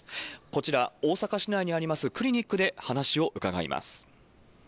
こちら、大阪市内にありますクリニックで話を伺います。